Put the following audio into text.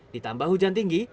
ditambah hujan tinggi